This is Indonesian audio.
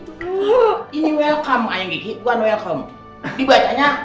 bukan welcome dibacanya